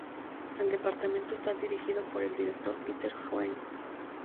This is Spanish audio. El departamento está dirigido por el director, Peter Hewitt.